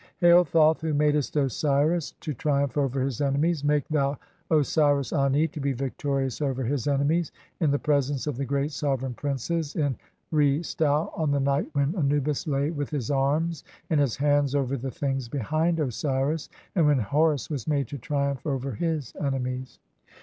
"Hail, Thoth, who madest Osiris (3) to triumph over his ene "mies, make thou Osiris Ani to be victorious over his enemies "in the presence of the great sovereign princes in (4) Re stau, "on the night when Anubis lay with his arms and his hands over "the things behind Osiris, and when Horus was made to triumph "over his enemies."